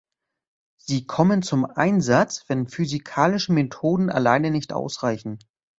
Sie kommen zum Einsatz, wenn physikalische Methoden alleine nicht ausreichen.